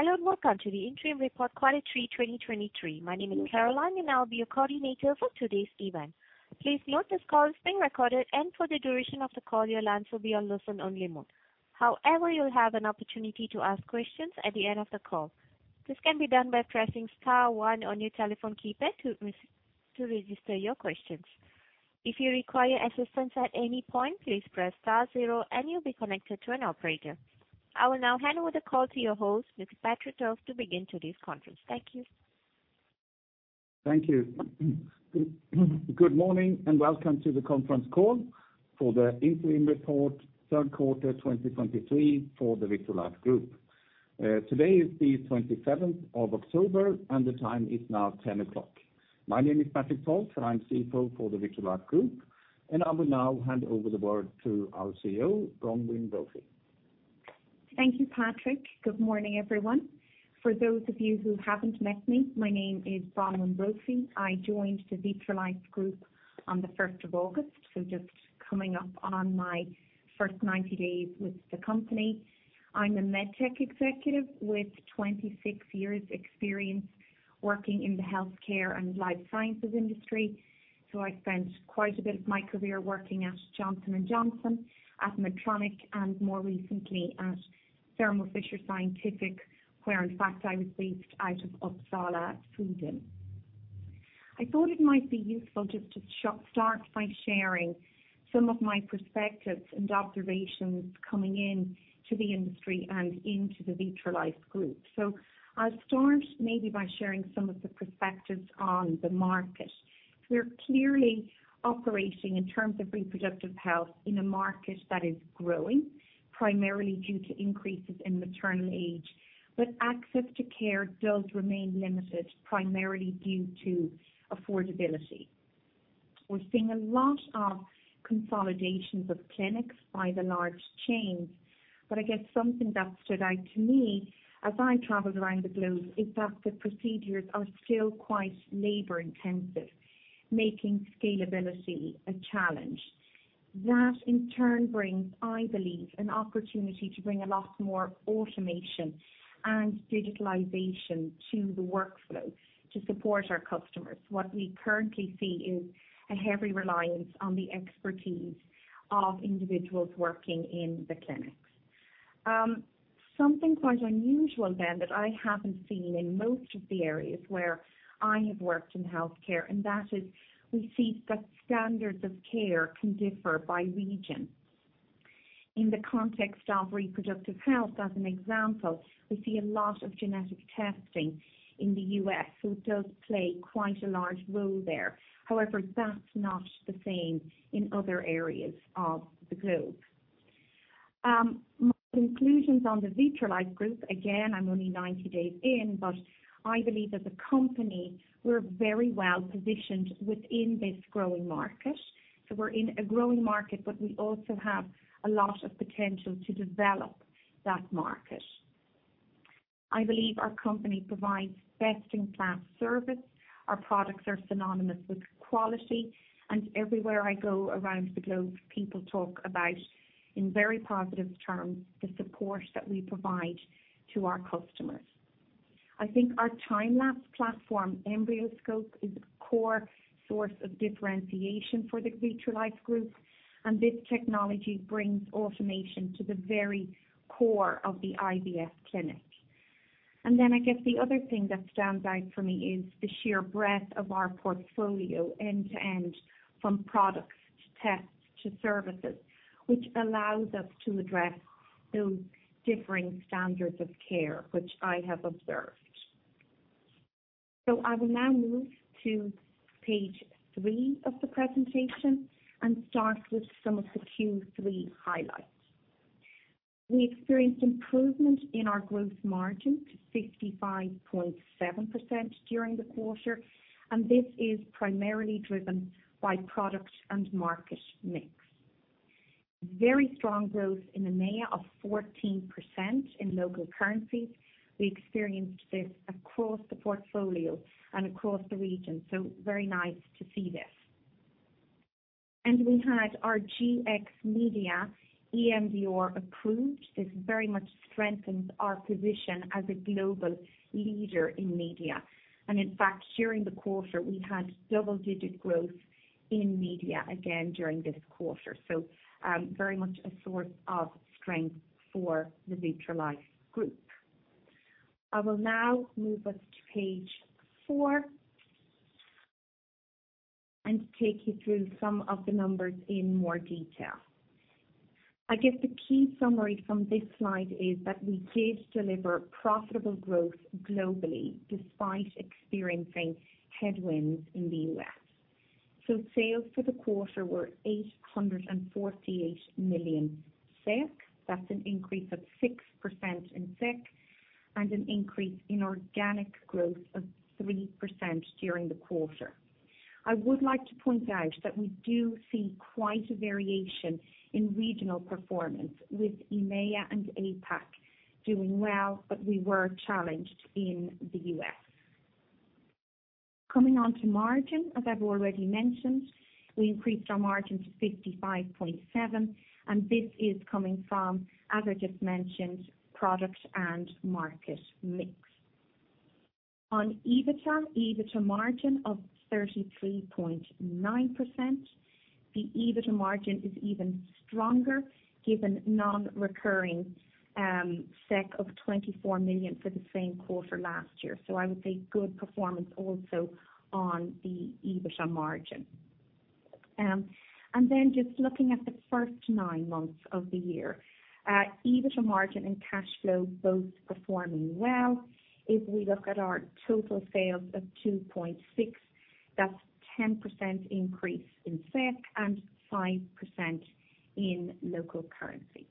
Hello, and welcome to the interim report, Q3, 2023. My name is Caroline, and I'll be your coordinator for today's event. Please note this call is being recorded, and for the duration of the call, your lines will be on listen-only mode. However, you'll have an opportunity to ask questions at the end of the call. This can be done by pressing star one on your telephone keypad to register your questions. If you require assistance at any point, please press star zero, and you'll be connected to an operator. I will now hand over the call to your host, Mr. Patrik Tolf, to begin today's conference. Thank you. Thank you. Good morning, and welcome to the conference call for the interim report, Q3, 2023 for the Vitrolife Group. Today is the 27th of October, and the time is now 10:00AM. My name is Patrik Tolf, and I'm CFO for the Vitrolife Group, and I will now hand over the word to our CEO, Bronwyn Brophy. Thank you, Patrik. Good morning, everyone. For those of you who haven't met me, my name is Bronwyn Brophy. I joined the Vitrolife Group on the first of August, so just coming up on my first 90 days with the company. I'm a med tech executive with 26 years' experience working in the healthcare and life sciences industry. So I spent quite a bit of my career working at Johnson & Johnson, at Medtronic, and more recently at Thermo Fisher Scientific, where in fact I was based out of Uppsala, Sweden. I thought it might be useful just to start by sharing some of my perspectives and observations coming in to the industry and into the Vitrolife Group. So I'll start maybe by sharing some of the perspectives on the market. We're clearly operating in terms of reproductive health in a market that is growing, primarily due to increases in maternal age, but access to care does remain limited, primarily due to affordability. We're seeing a lot of consolidations of clinics by the large chains, but I guess something that stood out to me as I traveled around the globe, is that the procedures are still quite labor-intensive, making scalability a challenge. That, in turn, brings, I believe, an opportunity to bring a lot more automation and digitalization to the workflow to support our customers. What we currently see is a heavy reliance on the expertise of individuals working in the clinics. Something quite unusual then, that I haven't seen in most of the areas where I have worked in healthcare, and that is we see that standards of care can differ by region. In the context of reproductive health, as an example, we see a lot of genetic testing in the US, so it does play quite a large role there. However, that's not the same in other areas of the globe. My conclusions on the Vitrolife Group, again, I'm only 90 days in, but I believe as a company, we're very well positioned within this growing market. So we're in a growing market, but we also have a lot of potential to develop that market. I believe our company provides best-in-class service. Our products are synonymous with quality, and everywhere I go around the globe, people talk about, in very positive terms, the support that we provide to our customers. I think our time-lapse platform, EmbryoScope, is a core source of differentiation for the Vitrolife Group, and this technology brings automation to the very core of the IVF clinic. And then, I guess, the other thing that stands out for me is the sheer breadth of our portfolio, end-to-end, from products, to tests, to services, which allows us to address those differing standards of care, which I have observed. So I will now move to page three of the presentation and start with some of the Q3 highlights. We experienced improvement in our gross margin to 55.7% during the quarter, and this is primarily driven by product and market mix. Very strong growth in EMEA of 14% in local currency. We experienced this across the portfolio and across the region, so very nice to see this. And we had our Gx Media MDR approved. This very much strengthens our position as a global leader in media. In fact, during the quarter, we had double-digit growth in media again during this quarter, so, very much a source of strength for the Vitrolife Group. I will now move us to page four and take you through some of the numbers in more detail. I guess the key summary from this slide is that we did deliver profitable growth globally, despite experiencing headwinds in the US So sales for the quarter were 848 million SEK. That's an increase of 6% in SEK and an increase in organic growth of 3% during the quarter. I would like to point out that we do see quite a variation in regional performance, with EMEA and APAC doing well, but we were challenged in the US. Coming on to margin, as I've already mentioned, we increased our margin to 55.7%, and this is coming from, as I just mentioned, product and market mix. On EBITDA, EBITDA margin of 33.9%. The EBITDA margin is even stronger, given non-recurring 24 million for the same quarter last year. I would say good performance also on the EBITDA margin. Just looking at the first nine months of the year, EBITDA margin and cash flow both performing well. If we look at our total sales of 2.6 billion, that's 10% increase in SEK and 5% in local currency.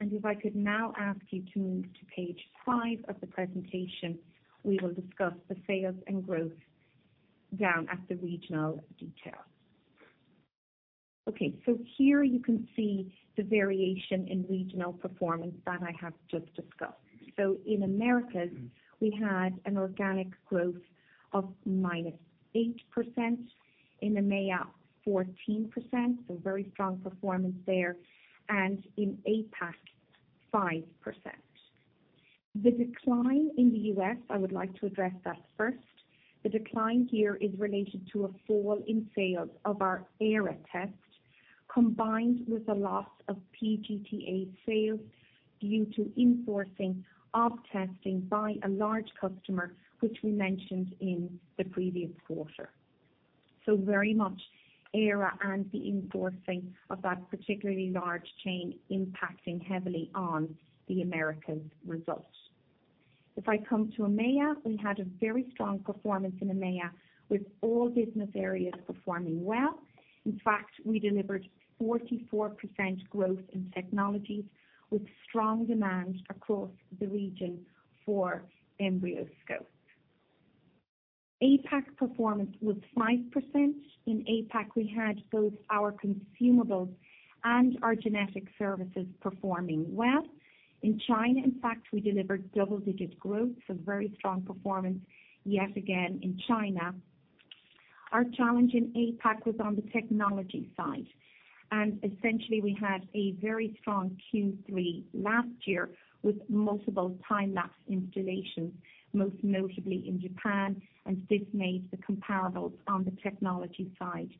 If I could now ask you to move to page five of the presentation, we will discuss the sales and growth down at the regional detail. Okay, so here you can see the variation in regional performance that I have just discussed. So in Americas, we had an organic growth of -8%, in EMEA, 14%, so very strong performance there, and in APAC, 5%. The decline in the US, I would like to address that first. The decline here is related to a fall in sales of our ERA test, combined with the loss of PGT-A sales due to insourcing of testing by a large customer, which we mentioned in the previous quarter. So very much ERA and the insourcing of that particularly large chain impacting heavily on the Americas results. If I come to EMEA, we had a very strong performance in EMEA, with all business areas performing well. In fact, we delivered 44% growth in Technologies, with strong demand across the region for EmbryoScope. APAC performance was 5%. In APAC, we had both our Consumables and our Genetic Services performing well. In China, in fact, we delivered double-digit growth, so very strong performance yet again in China. Our challenge in APAC was on the technology side, and essentially we had a very strong Q3 last year with multiple time-lapse installations, most notably in Japan, and this made the comparables on the technology side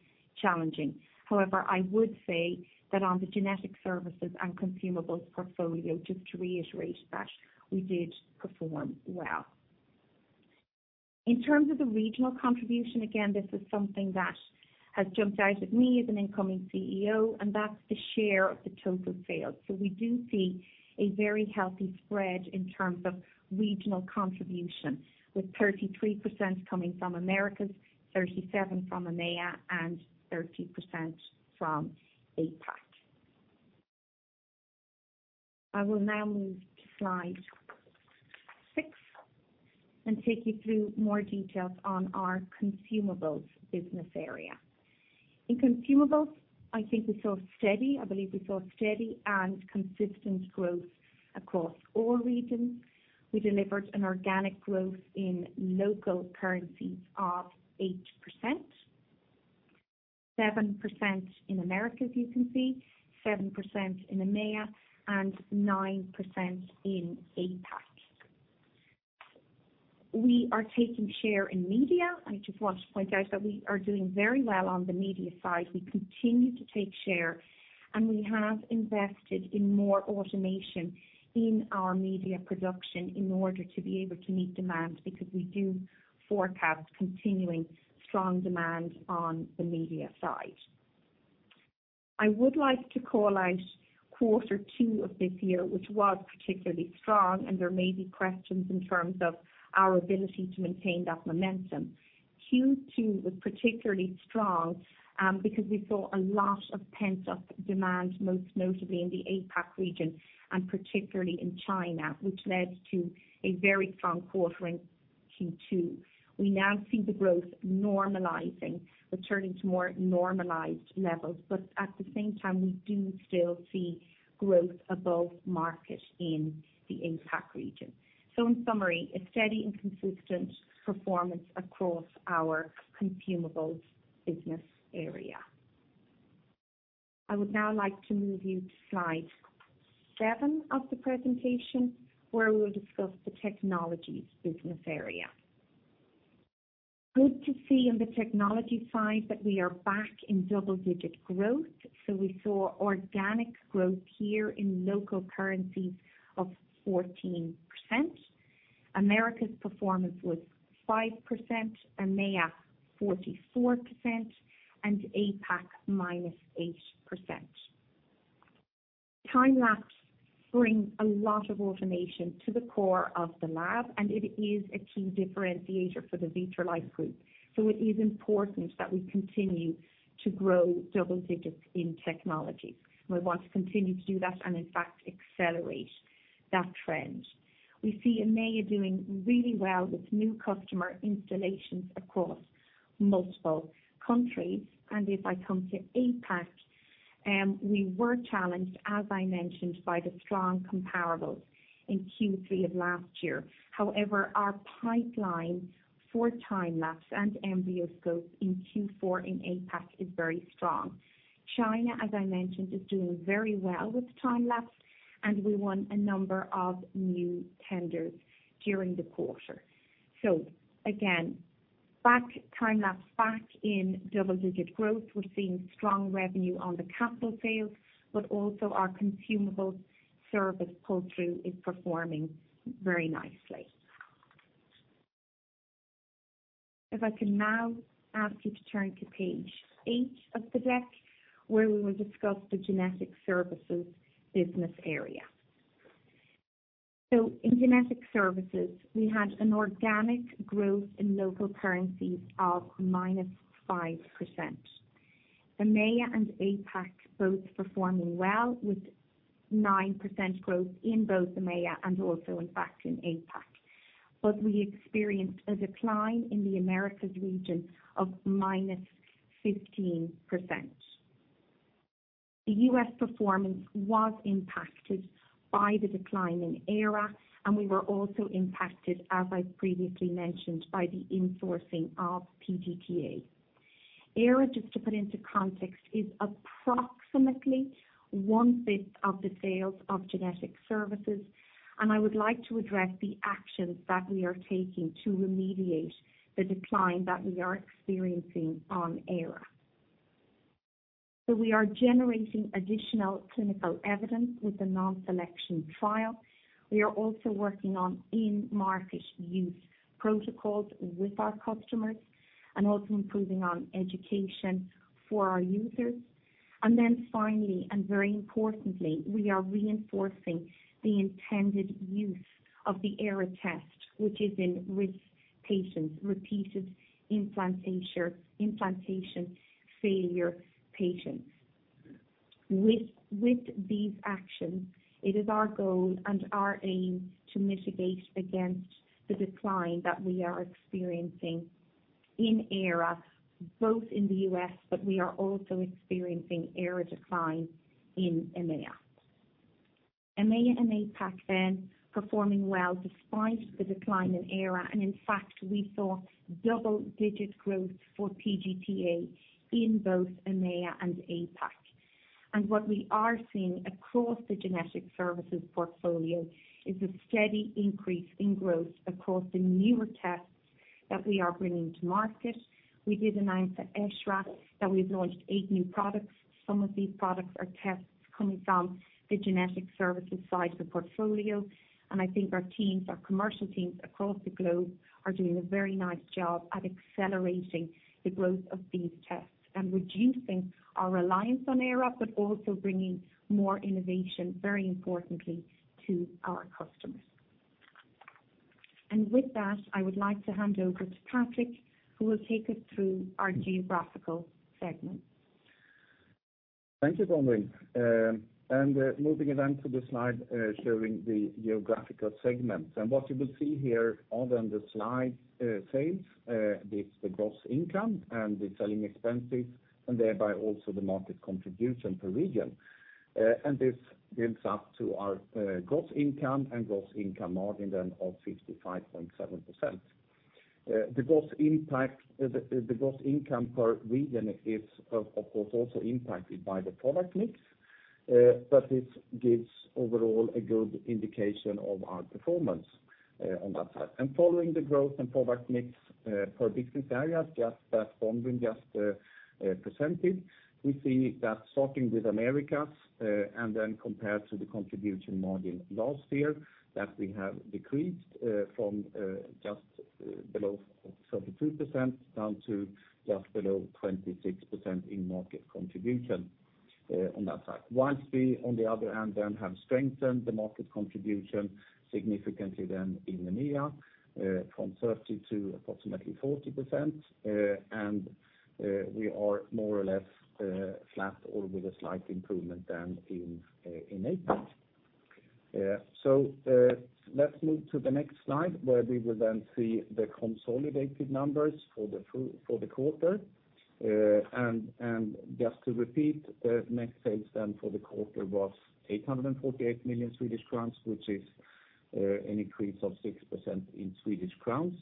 challenging. However, I would say that on the Genetic Services and Consumables portfolio, just to reiterate that, we did perform well. In terms of the regional contribution, again, this is something that has jumped out at me as an incoming CEO, and that's the share of the total sales. So we do see a very healthy spread in terms of regional contribution, with 33% coming from Americas, 37% from EMEA, and 30% from APAC. I will now move to slide six and take you through more details on our Consumables business area. In Consumables, I think we saw steady, I believe we saw steady and consistent growth across all regions. We delivered an organic growth in local currencies of 8%, 7% in Americas, you can see, 7% in EMEA, and 9% in APAC. We are taking share in media. I just want to point out that we are doing very well on the media side. We continue to take share, and we have invested in more automation in our media production in order to be able to meet demand, because we do forecast continuing strong demand on the media side. I would like to call out quarter two of this year, which was particularly strong, and there may be questions in terms of our ability to maintain that momentum. Q2 was particularly strong, because we saw a lot of pent-up demand, most notably in the APAC region and particularly in China, which led to a very strong quarter in Q2. We now see the growth normalizing, returning to more normalized levels, but at the same time, we do still see growth above market in the APAC region. So in summary, a steady and consistent performance across our Consumables business area. I would now like to move you to slide seven of the presentation, where we'll discuss the Technologies business area. Good to see on the technology side that we are back in double-digit growth. So we saw organic growth here in local currencies of 14%. Americas performance was 5%, EMEA 44%, and APAC -8%. time-lapse brings a lot of automation to the core of the lab, and it is a key differentiator for the Vitrolife Group. So it is important that we continue to grow double digits in technology. We want to continue to do that and in fact, accelerate that trend. We see EMEA doing really well with new customer installations across multiple countries. And we were challenged, as I mentioned, by the strong comparables in Q3 of last year. However, our pipeline for time-lapse and EmbryoScopes in Q4 in APAC is very strong. China, as I mentioned, is doing very well with time-lapse, and we won a number of new tenders during the quarter. So again, back, time-lapse back in double digit growth. We're seeing strong revenue on the capital sales, but also our consumable service pull-through is performing very nicely. If I can now ask you to turn to page eight of the deck, where we will discuss the genetic services business area. So in genetic services, we had an organic growth in local currencies of -5%. EMEA and APAC both performing well, with 9% growth in both EMEA and also in fact, in APAC. But we experienced a decline in the Americas region of -15%. The US performance was impacted by the decline in ERA, and we were also impacted, as I previously mentioned, by the insourcing of PGT-A. ERA, just to put into context, is approximately 1/5 of the sales of genetic services, and I would like to address the actions that we are taking to remediate the decline that we are experiencing on ERA. So we are generating additional clinical evidence with the non-selection trial. We are also working on in-market use protocols with our customers and also improving on education for our users. And then finally, and very importantly, we are reinforcing the intended use of the ERA test, which is in risk patients, repeated implantation, implantation failure patients. With these actions, it is our goal and our aim to mitigate against the decline that we are experiencing in ERA, both in the US, but we are also experiencing ERA decline in EMEA. EMEA and APAC then performing well despite the decline in ERA, and in fact, we saw double-digit growth for PGTA in both EMEA and APAC. And what we are seeing across the genetic services portfolio is a steady increase in growth across the newer tests that we are bringing to market. We did announce at ESHRE that we've launched eight new products. Some of these products are tests coming from the genetic services side of the portfolio, and I think our teams, our commercial teams across the globe are doing a very nice job at accelerating the growth of these tests and reducing our reliance on ERA, but also bringing more innovation, very importantly, to our customers. With that, I would like to hand over to Patrik, who will take us through our geographical segments. Thank you, Bronwyn. Moving then to the slide showing the geographical segments. What you will see here on the slide, sales, this, the gross income and the selling expenses, and thereby also the market contribution per region. This builds up to our gross income and gross income margin then of 65.7%. The gross impact, the, the gross income per region is, of, of course, also impacted by the product mix, but this gives overall a good indication of our performance on that side. Following the growth and product mix per business areas, just as Bronwyn just presented, we see that starting with Americas and then compared to the contribution margin last year, that we have decreased from just below 32% down to just below 26% in market contribution on that side. Whilst we, on the other hand, then have strengthened the market contribution significantly then in EMEA from 30% to approximately 40%, and we are more or less flat or with a slight improvement than in APAC. So, let's move to the next slide, where we will then see the consolidated numbers for the full, for the quarter. And just to repeat, the net sales then for the quarter was 848 million Swedish crowns, which is an increase of 6% in Swedish crowns.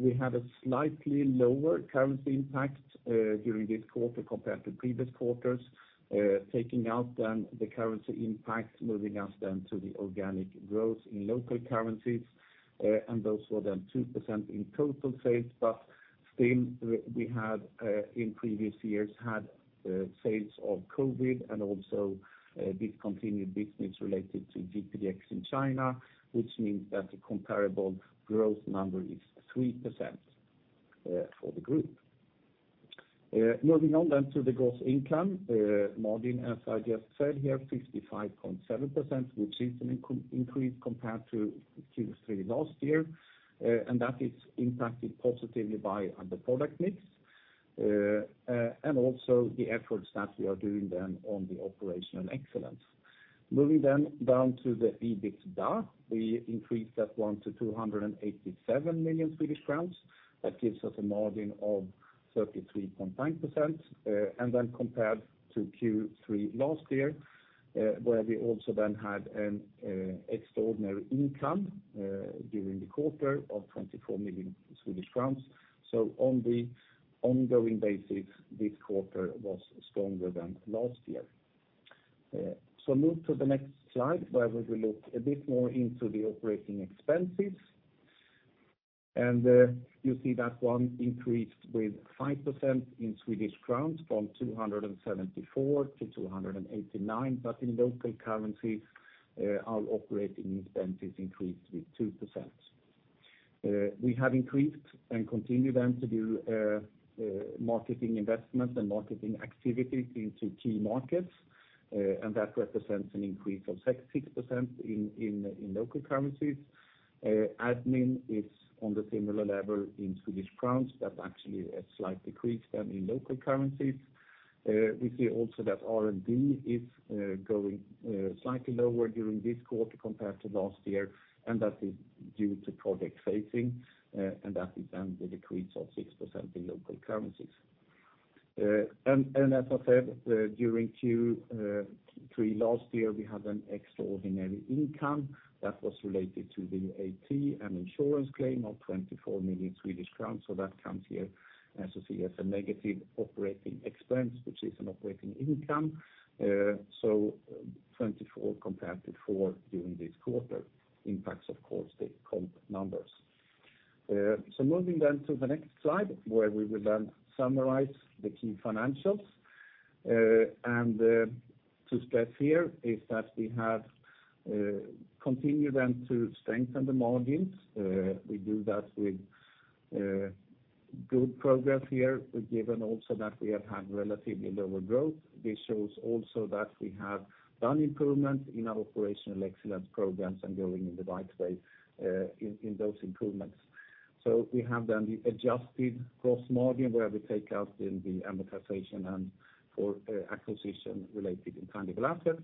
We had a slightly lower currency impact during this quarter compared to previous quarters. Taking out then the currency impact, moving us then to the organic growth in local currencies, and those were then 2% in total sales. But still, we had in previous years had sales of COVID and also discontinued business related to in China, which means that the comparable growth number is 3% for the group. Moving on then to the gross income margin, as I just said, here, 65.7%, which is an increase compared to Q3 last year. And that is impacted positively by the product mix, and also the efforts that we are doing then on the operational excellence. Moving then down to the EBITDA, we increased that one to 287 million Swedish crowns. That gives us a margin of 33.9%. And then compared to Q3 last year, where we also then had an extraordinary income during the quarter of SEK 24 million. On the ongoing basis, this quarter was stronger than last year. Move to the next slide, where we will look a bit more into the operating expenses. You see that one increased with 5% in Swedish crowns from 274 million to 289 million. In local currencies, our operating expenses increased with 2%. We have increased and continue then to do marketing investments and marketing activities into key markets, and that represents an increase of 6% in local currencies. Admin is on the similar level in SEK. That's actually a slight decrease than in local currencies. We see also that R&D is going slightly lower during this quarter compared to last year, and that is due to project phasing, and that is then the decrease of 6% in local currencies. As I said, during Q3 last year, we had an extraordinary income that was related to the AT and insurance claim of 24 million Swedish crowns. So that comes here, as you see, as a negative operating expense, which is an operating income. So 24 compared to four during this quarter impacts, of course, the comp numbers. So moving then to the next slide, where we will then summarize the key financials. And to stress here is that we have continued then to strengthen the margins. We do that with good progress here, given also that we have had relatively lower growth. This shows also that we have done improvement in our operational excellence programs and going in the right way, in those improvements. So we have then the adjusted gross margin, where we take out in the amortization and for acquisition related intangible assets,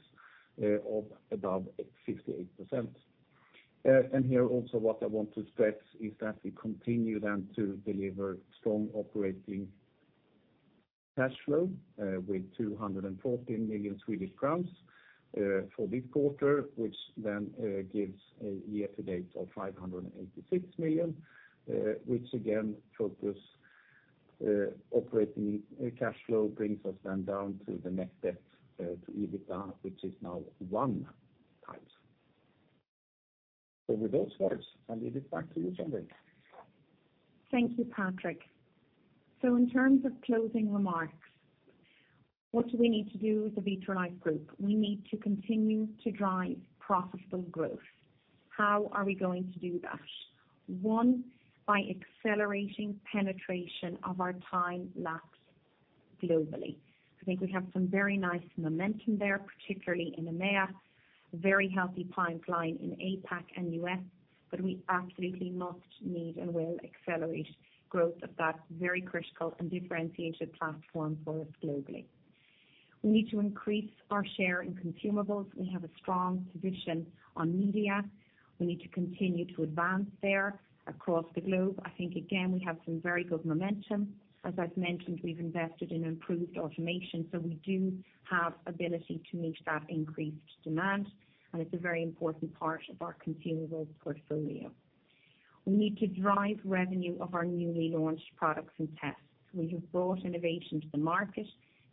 of above 68%. What I want to stress is that we continue to deliver strong operating cash flow, with 214 million Swedish crowns for this quarter, which gives a year to date of 586 million. Again, focus, operating cash flow brings us down to the net debt to EBITDA, which is now 1x. With those words, I leave it back to you, Bronwyn. Thank you, Patrik. So in terms of closing remarks, what do we need to do as a Vitrolife Group? We need to continue to drive profitable growth. How are we going to do that? One, by accelerating penetration of our time-lapse globally. I think we have some very nice momentum there, particularly in EMEA, very healthy pipeline in APAC and US, but we absolutely must, need, and will accelerate growth of that very critical and differentiated platform for us globally. We need to increase our share in Consumables. We have a strong position on media. We need to continue to advance there across the globe. I think, again, we have some very good momentum. As I've mentioned, we've invested in improved automation, so we do have ability to meet that increased demand, and it's a very important part of our Consumables portfolio. We need to drive revenue of our newly launched products and tests. We have brought innovation to the market.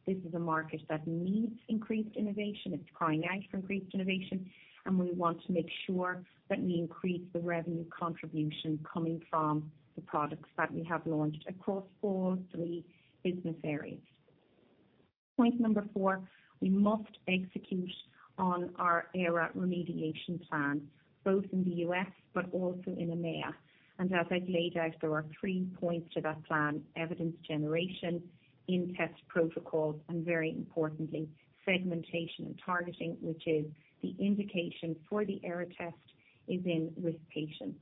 This is a market that needs increased innovation. It's crying out for increased innovation, and we want to make sure that we increase the revenue contribution coming from the products that we have launched across all three business areas. Point number four, we must execute on our ERA remediation plan, both in the US but also in EMEA. And as I've laid out, there are three points to that plan: evidence generation, in-test protocols, and very importantly, segmentation and targeting, which is the indication for the ERA test is in risk patients.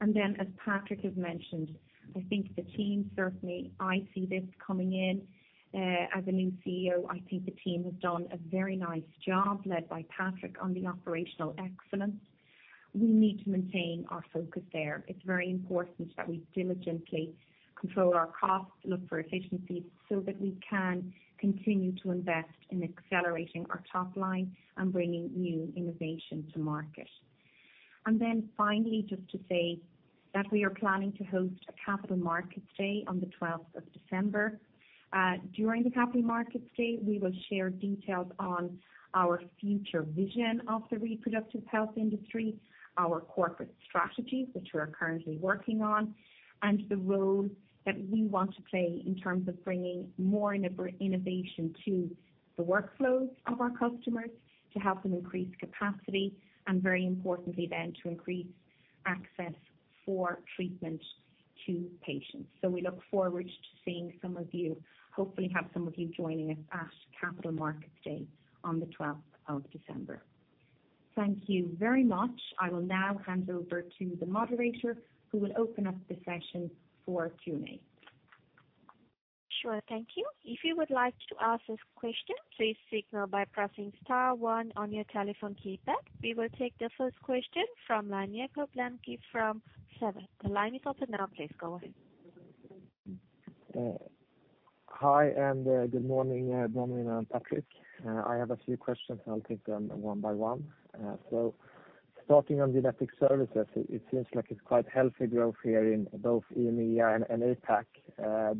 And then, as Patrik has mentioned, I think the team, certainly, I see this coming in, as a new CEO, I think the team has done a very nice job, led by Patrik, on the operational excellence. We need to maintain our focus there. It's very important that we diligently control our costs, look for efficiencies, so that we can continue to invest in accelerating our top line and bringing new innovation to market. And then finally, just to say that we are planning to host a Capital Markets Day on the twelfth of December. During the Capital Markets Day, we will share details on our future vision of the reproductive health industry, our corporate strategies, which we are currently working on, and the role that we want to play in terms of bringing more innovation to the workflows of our customers, to help them increase capacity, and very importantly then, to increase access for treatment to patients. So we look forward to seeing some of you, hopefully have some of you joining us at Capital Markets Day on the 12th of December. Thank you very much. I will now hand over to the moderator, who will open up the session for Q&A. Sure. Thank you. If you would like to ask this question, please signal by pressing star one on your telephone keypad. We will take the first question from line, Jakob Lembke from SEB. The line is open now, please go ahead. Hi and good morning, Bronwyn and Patrick. I have a few questions, and I'll take them one by one. So starting on genetic services, it seems like it's quite healthy growth here in both EMEA and APAC.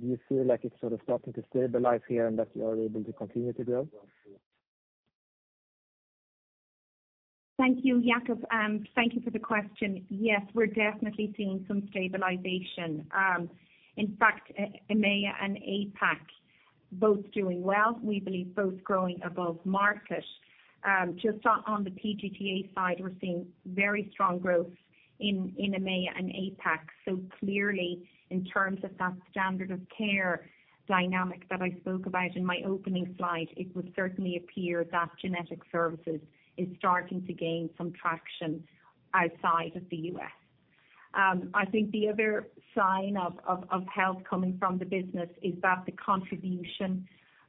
Do you feel like it's sort of starting to stabilize here, and that you are able to continue to grow? Thank you, Jakob, and thank you for the question. Yes, we're definitely seeing some stabilization. In fact, EMEA and APAC, both doing well, we believe both growing above market. Just on the PGTA side, we're seeing very strong growth in EMEA and APAC. So clearly, in terms of that standard of care dynamic that I spoke about in my opening slide, it would certainly appear that genetic services is starting to gain some traction outside of the US. I think the other sign of health coming from the business is that the contribution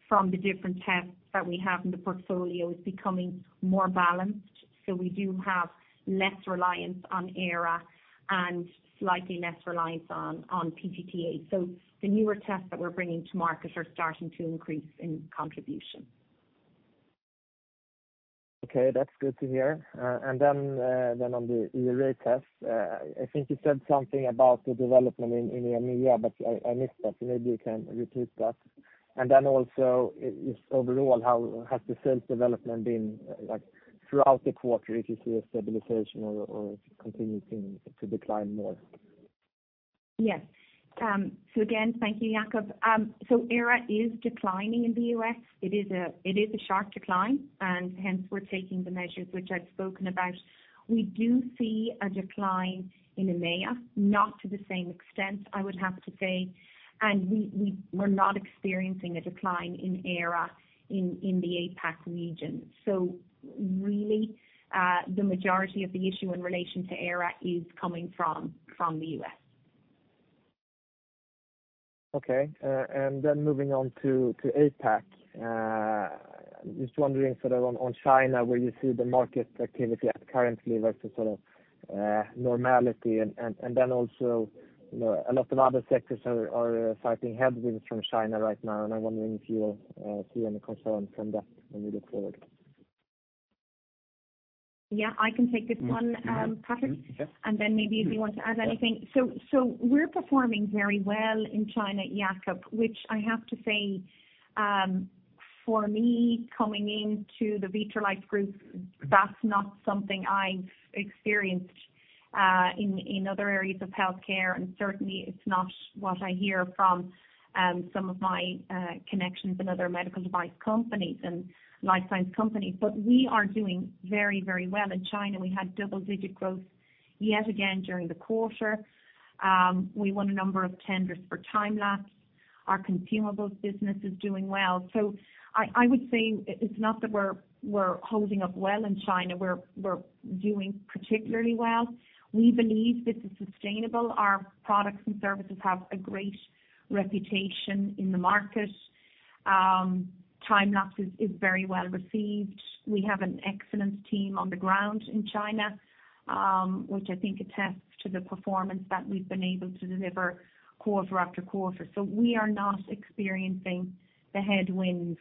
from the different tests that we have in the portfolio is becoming more balanced. So we do have less reliance on ERA and slightly less reliance on PGTA. So the newer tests that we're bringing to market are starting to increase in contribution. Okay, that's good to hear. And then on the ERA test, I think you said something about the development in EMEA, but I missed that. Maybe you can repeat that. And then also, if overall, how has the sales development been, like, throughout the quarter, if you see a stabilization or continuing to decline more? Yes. So again, thank you, Jakob. So ERA is declining in the US. It is a, it is a sharp decline, and hence we're taking the measures which I've spoken about. We do see a decline in EMEA, not to the same extent, I would have to say, and we're not experiencing a decline in ERA in the APAC region. So really, the majority of the issue in relation to ERA is coming from the US. Okay, and then moving on to APAC. Just wondering sort of on China, where you see the market activity at currently versus sort of normality. And then also, you know, a lot of other sectors are fighting headwinds from China right now, and I'm wondering if you see any concern from that when we look forward. Yeah, I can take this one, Patrik. Yeah. And then maybe if you want to add anything. So we're performing very well in China, Jakob, which I have to say, for me, coming into the Vitrolife Group, that's not something I've experienced in other areas of healthcare. And certainly it's not what I hear from some of my connections in other medical device companies and life science companies. But we are doing very, very well in China. We had double-digit growth yet again during the quarter. We won a number of tenders for time-lapse. Our Consumables business is doing well. So I would say it's not that we're holding up well in China, we're doing particularly well. We believe this is sustainable. Our products and services have a great reputation in the market. time-lapse is very well received. We have an excellent team on the ground in China, which I think attests to the performance that we've been able to deliver quarter after quarter. So we are not experiencing the headwinds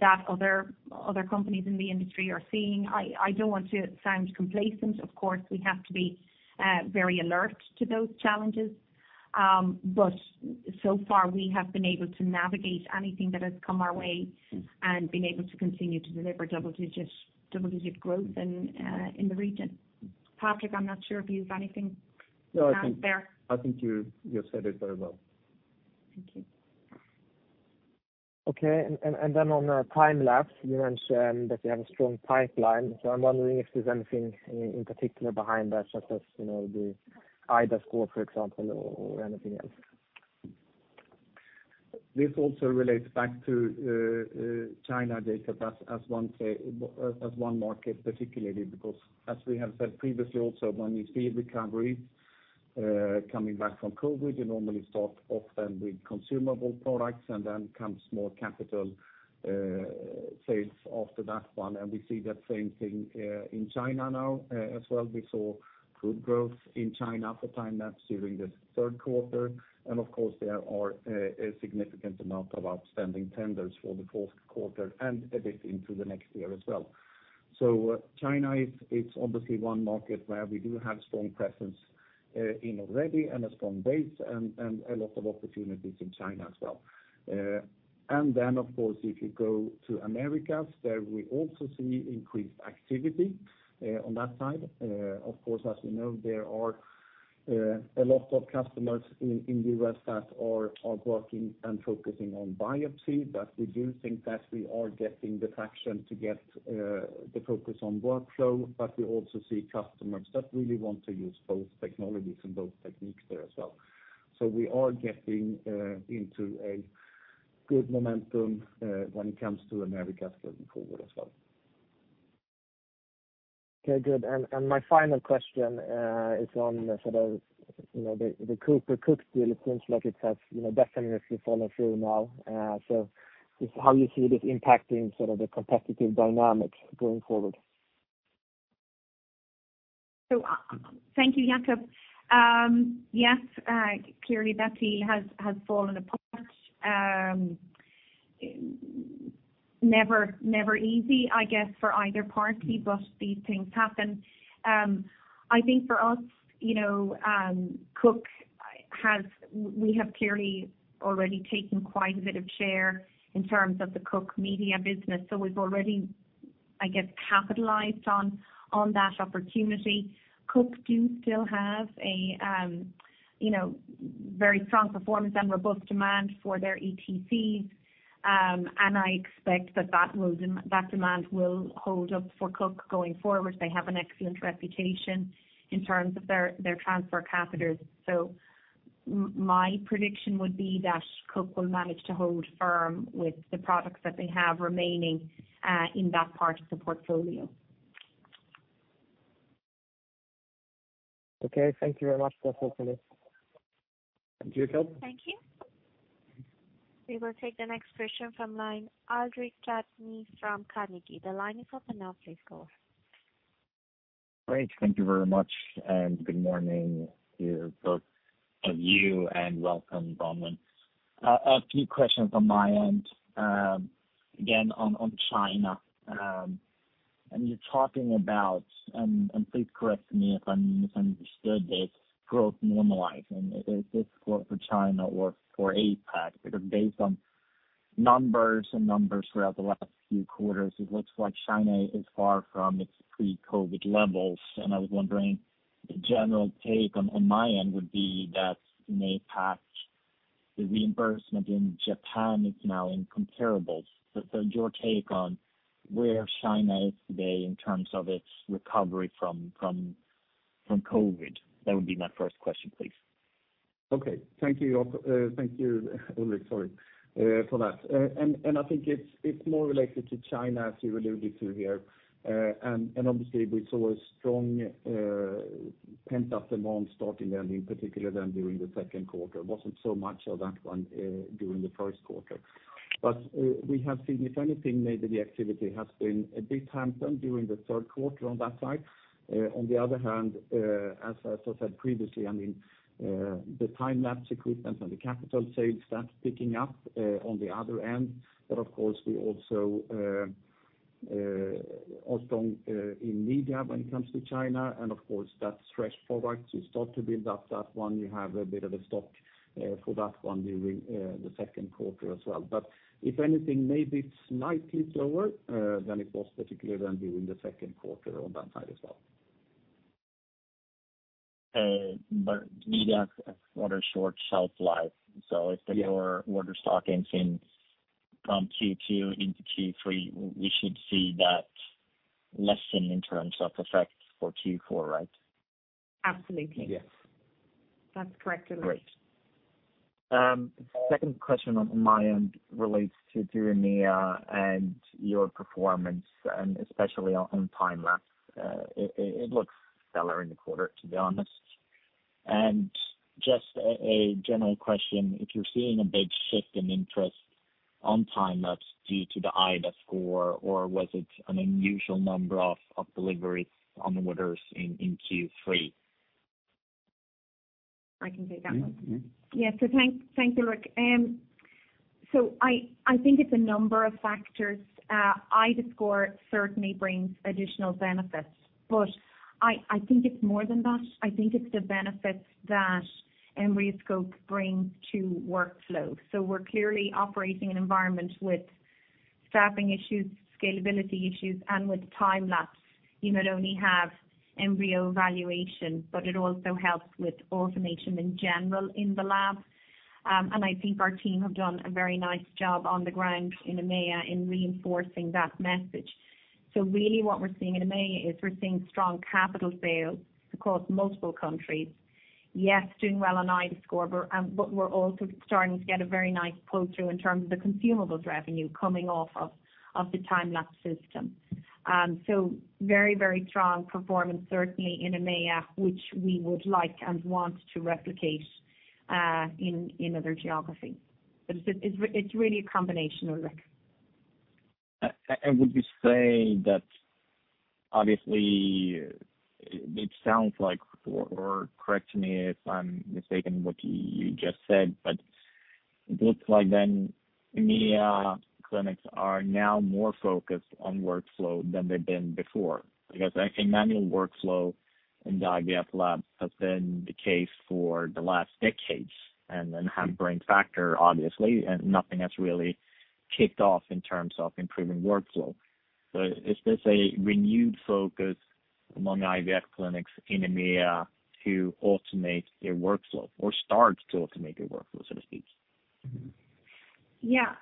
that other companies in the industry are seeing. I don't want to sound complacent. Of course, we have to be very alert to those challenges. But so far we have been able to navigate anything that has come our way, and been able to continue to deliver double digits, double-digit growth in the region. Patrik, I'm not sure if you have anything there. No, I think you said it very well. Thank you. Okay, and then on our time-lapse, you mentioned that you have a strong pipeline. So I'm wondering if there's anything in particular behind that, such as, you know, the iDAScore, for example, or anything else? This also relates back to China, Jakob, as one market particularly. Because as we have said previously, also, when you see a recovery coming back from COVID, you normally start often with consumable products, and then comes more capital sales after that one. And we see that same thing in China now, as well. We saw good growth in China for time-lapse during this Q3, and of course, there are a significant amount of outstanding tenders for the fourth quarter and a bit into the next year as well. So China is obviously one market where we do have strong presence in already and a strong base and a lot of opportunities in China as well. And then of course, if you go to Americas, there we also see increased activity on that side. Of course, as you know, there are a lot of customers in the US that are working and focusing on biopsy. But we do think that we are getting the traction to get the focus on workflow, but we also see customers that really want to use both Technologies and both techniques there as well. So we are getting into a good momentum when it comes to Americas going forward as well. Okay, good. And my final question is on the sort of, you know, the Cook deal. It seems like it has, you know, definitely fallen through now. So just how you see this impacting sort of the competitive dynamics going forward? So, thank you, Jakob. Yes, clearly, that deal has fallen apart. Never easy, I guess, for either party, but these things happen. I think for us, you know, Cook has, we have clearly already taken quite a bit of share in terms of the Cook media business. So we've already, I guess, capitalized on that opportunity. Cook do still have a, you know, very strong performance and robust demand for their ETCs. And I expect that demand will hold up for Cook going forward. They have an excellent reputation in terms of their transfer catheters. So my prediction would be that Cook will manage to hold firm with the products that they have remaining in that part of the portfolio. Okay. Thank you very much for that, Bronwyn. Thank you. Thank you. We will take the next question from line, Ulrik Trattner from Carnegie. The line is open now, please go. Great. Thank you very much, and good morning to both of you, and welcome, Bronwyn. A few questions on my end. Again, on China. And you're talking about, please correct me if I misunderstood this, growth normalizing. Is this growth for China or for APAC? Because based on numbers throughout the last few quarters, it looks like China is far from its pre-COVID levels. And I was wondering, the general take on my end would be that in APAC, the reimbursement in Japan is now incomparable. So your take on where China is today in terms of its recovery from COVID. That would be my first question, please. Okay. Thank you, thank you, Ulrik, sorry, for that. And I think it's more related to China, as you alluded to here. And obviously we saw a strong, pent-up demand starting early, in particular, then during the Q2. Wasn't so much of that one during the Q1. But we have seen, if anything, maybe the activity has been a bit dampened during the Q3 on that side. On the other hand, as I said previously, I mean, the time-lapse equipments and the capital sales start picking up, on the other end. But of course, we also are strong in media when it comes to China, and of course, that stretched forward. You start to build up that one, you have a bit of a stock, for that one during the Q2 as well. But if anything, maybe it's slightly slower than it was, particularly than during the Q2 on that side as well. But media order short shelf life. So if the order order stock ends in from Q2 into Q3, we should see that lessen in terms of effect for Q4, right? Absolutely. Yes. That's correct, Ulrik. Great. Second question on my end relates to EMEA and your performance, and especially on time-lapse. It looks better in the quarter, to be honest. And just a general question: If you're seeing a big shift in interest on time-lapse, due to the iDAScore, or was it an unusual number of deliveries on the orders in Q3? I can take that one. Mm-hmm, mm-hmm. Yeah. So thank you, Ulrik. So I think it's a number of factors. iDAScore certainly brings additional benefits, but I think it's more than that. I think it's the benefits that EmbryoScope brings to workflow. So we're clearly operating in an environment with staffing issues, scalability issues, and with time-lapse. You not only have embryo evaluation, but it also helps with automation in general in the lab. And I think our team has done a very nice job on the ground in EMEA, in reinforcing that message. So really what we're seeing in EMEA is we're seeing strong capital sales across multiple countries. Yes, doing well on iDAScore, but we're also starting to get a very nice pull-through in terms of the Consumables revenue coming off of the time-lapse system. So very, very strong performance, certainly in EMEA, which we would like and want to replicate, in other geographies. But it's really a combination, Ulrik. And would you say that obviously it sounds like, or correct me if I'm mistaken, what you just said, but it looks like then EMEA clinics are now more focused on workflow than they've been before. Because I think manual workflow in IVF labs has been the case for the last decades, and then having factor, obviously, and nothing has really kicked off in terms of improving workflow. So is this a renewed focus among IVF clinics in EMEA to automate their workflow or start to automate their workflow, so to speak? Yeah.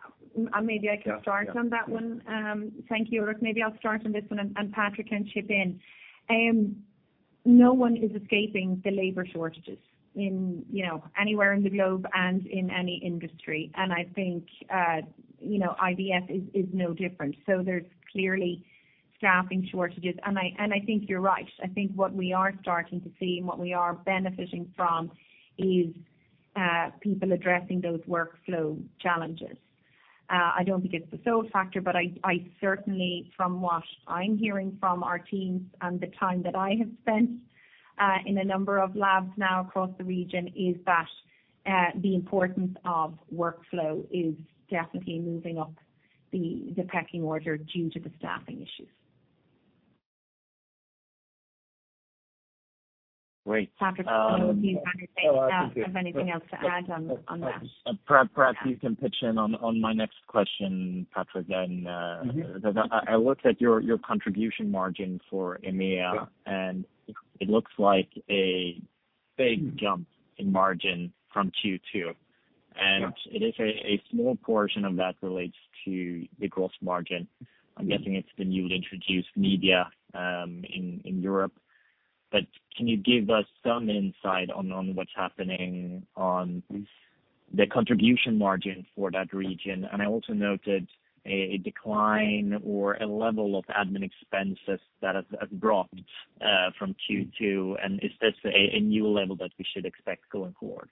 Maybe I can start on that one. Yeah, yeah. Thank you, Ulrik. Maybe I'll start on this one, and Patrik can chip in. No one is escaping the labor shortages in, you know, anywhere in the globe and in any industry. And I think, you know, IVF is no different. So there's clearly staffing shortages. And I think you're right. I think what we are starting to see, and what we are benefiting from, is people addressing those workflow challenges. I don't think it's the sole factor, but I certainly, from what I'm hearing from our teams and the time that I have spent in a number of labs now across the region, is that the importance of workflow is definitely moving up the pecking order due to the staffing issues. Great. Patrik, do you have anything else to add on that? Perhaps you can pitch in on my next question, Patrik, then. Mm-hmm. I looked at your contribution margin for EMEA. Yeah. It looks like a big jump in margin from Q2. It is a small portion of that relates to the gross margin. I'm guessing it's the newly introduced media in Europe. But can you give us some insight on what's happening on the contribution margin for that region? And I also noted a decline or a level of admin expenses that have dropped from Q2. And is this a new level that we should expect going forward?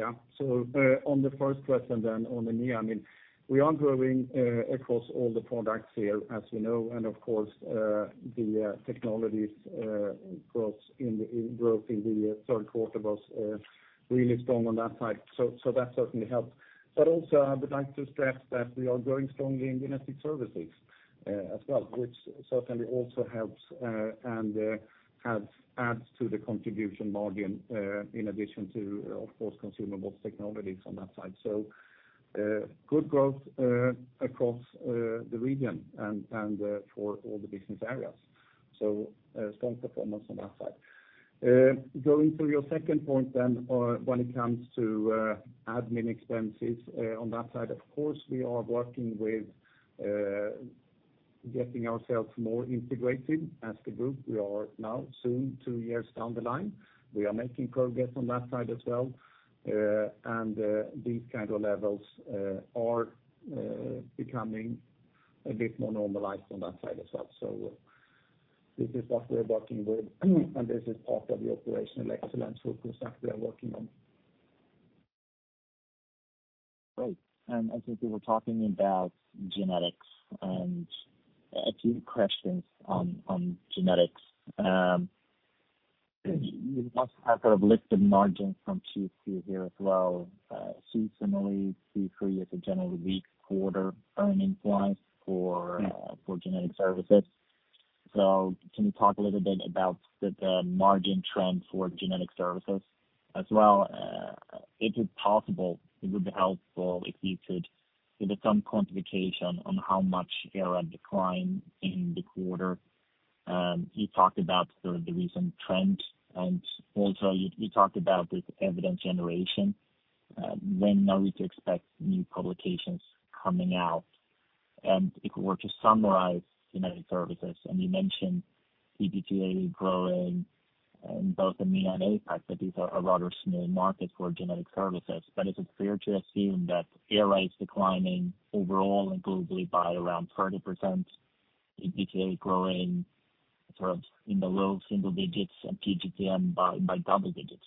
Yeah. So, on the first question then, on EMEA, I mean, we are growing across all the products here, as you know, and of course, the Technologies growth in the Q3 was really strong on that side. So that certainly helped. But also, I would like to stress that we are growing strongly in genetic services as well, which certainly also helps and helps adds to the contribution margin in addition to, of course, Consumables Technologies on that side. So good growth across the region and for all the business areas. So strong performance on that side. Going to your second point then, when it comes to admin expenses, on that side, of course, we are working with getting ourselves more integrated as the group. We are now soon two years down the line. We are making progress on that side as well. And these kind of levels are becoming a bit more normalized on that side as well. So this is what we're working with, and this is part of the operational excellence focus that we are working on. Great. And I think we were talking about genetics, and a few questions on genetics. You must have sort of lifted margins from Q2 here as well. Similarly, Q3 is a generally weak quarter earnings-wise for For genetic services. So can you talk a little bit about the margin trend for genetic services? As well, if it's possible, it would be helpful if you could give us some quantification on how much ERA decline in the quarter. You talked about the recent trend, and also you talked about the evidence generation. When are we to expect new publications coming out? And if we were to summarize genetic services, and you mentioned PGT-A growing in both EMEA and APAC, but these are a rather small market for genetic services. But is it fair to assume that ERA is declining overall and globally by around 30%, PGT-A growing sort of in the low single digits and PGT-M by double digits?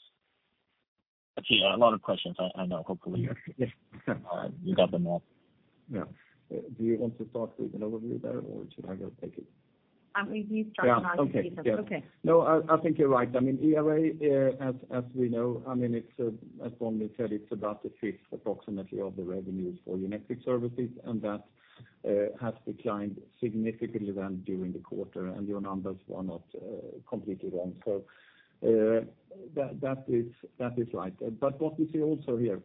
Actually, a lot of questions, I know. Hopefully, you got them all. Yeah. Do you want to start with an overview there, or should I go take it? You start. Yeah. Okay. No, I think you're right. I mean, ERA, as we know, I mean, it's, as Bronwyn said, it's about a fifth, approximately, of the revenues for genetic services, and that has declined significantly then during the quarter, and your numbers were not completely wrong. So, that is right. But what we see also here,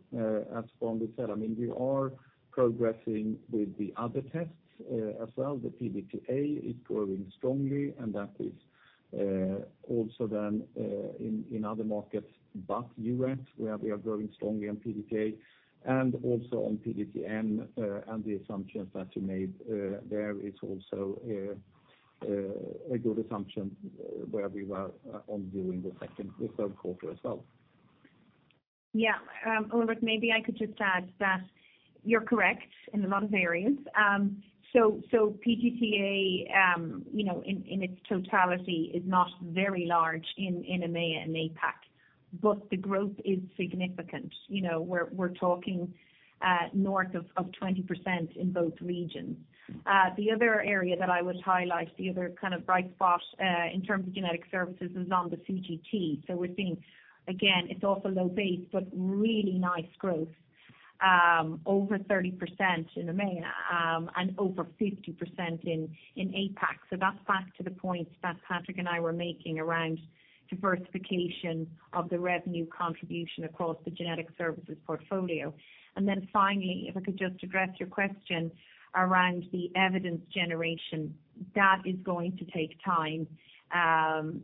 as Bronwyn said, I mean, we are progressing with the other tests, as well. The PGT-A is growing strongly, and that is also then in other markets, but US, where we are growing strongly on PGT-A and also on PGT-M, and the assumptions that you made there is also a good assumption where we were on during the Q2 and the Q3 as well. Yeah. Ulrik, maybe I could just add that you're correct in a lot of areas. So, so PGT-A, you know, in, in its totality, is not very large in, in EMEA and APAC, but the growth is significant. You know, we're, we're talking, north of 20% in both regions. The other area that I would highlight, the other kind of bright spot, in terms of genetic services, is on the CGT. So we're seeing, again, it's also low base, but really nice growth, over 30% in EMEA, and over 50% in, in APAC. So that's back to the points that Patrik and I were making around diversification of the revenue contribution across the genetic services portfolio. And then finally, if I could just address your question around the evidence generation. That is going to take time.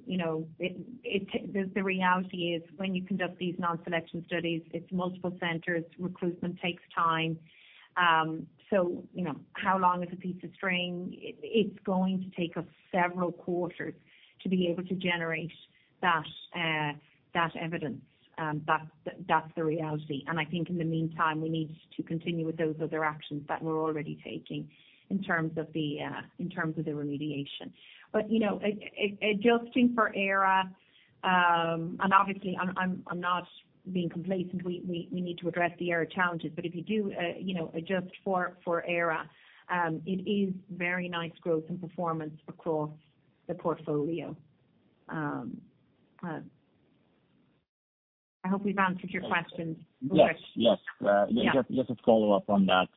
You know, the reality is when you conduct these non-selection studies, it's multiple centers. Recruitment takes time. So you know, how long is a piece of string? It's going to take us several quarters to be able to generate that evidence, and that's the reality. And I think in the meantime, we need to continue with those other actions that we're already taking in terms of the remediation. But, you know, adjusting for ERA, and obviously I'm not being complacent. We need to address the ERA challenges. But if you do, you know, adjust for ERA, it is very nice growth and performance across the portfolio. I hope we've answered your question, Ulrik. Yes, yes. Yeah. Just, just a follow-up on that.